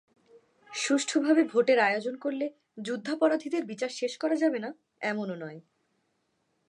সুষ্ঠুভাবে ভোটের আয়োজন করলে যুদ্ধাপরাধীদের বিচার শেষ করা যাবে না, এমনও নয়।